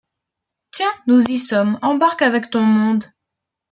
Tiens ! nous y sommes, embarque avec ton monde.